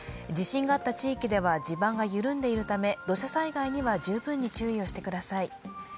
地震があった地域では地盤が緩んでいるため土砂災害には十分に注意をしてください。